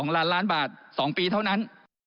๒ล้านล้านบาท๒ปีเท่านั้น